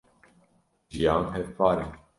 jiyan hevpar e.